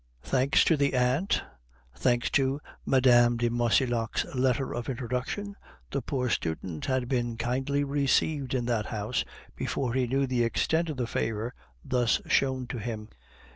Thanks to the aunt, thanks to Mme. de Marcillac's letter of introduction, the poor student had been kindly received in that house before he knew the extent of the favor thus shown to him.